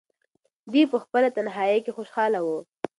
دی په خپل تنهایۍ کې خوشحاله و.